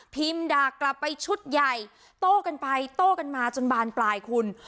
ด่ากลับไปชุดใหญ่โต้กันไปโต้กันมาจนบานปลายคุณ